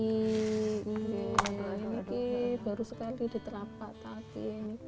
ini baru sekali diterapak kaki